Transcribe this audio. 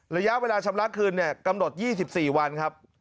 ระยะเวลาชำระคืนกำหนด๒๔วันครับ